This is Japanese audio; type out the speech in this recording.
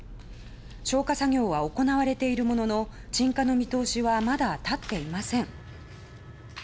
消火作業は行われているものの鎮火の見通しはまだ立っていません。